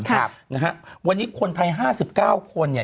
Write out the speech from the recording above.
นะฮะวันนี้คนไทย๕๙คนเนี่ย